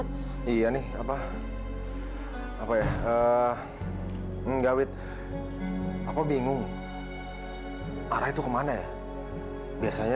sampai jumpa di video selanjutnya